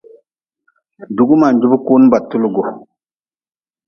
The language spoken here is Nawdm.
Dugu man jubi kun ba tulgu.